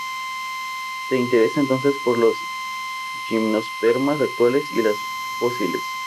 Se interesa entonces por los gimnospermas actuales y las fósiles.